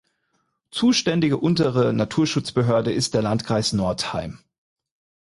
Zuständige untere Naturschutzbehörde ist der Landkreis Northeim.